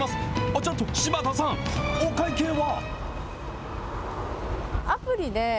ちょっと、柴田さん、お会計は？